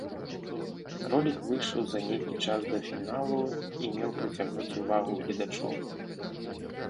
Ролік выйшаў за нейкі час да фіналу і меў прыцягнуць увагу гледачоў.